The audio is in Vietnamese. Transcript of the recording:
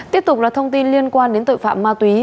tiếp tục là thông tin liên quan đến tội phạm ma túy